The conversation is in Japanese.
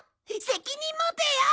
責任持てよ！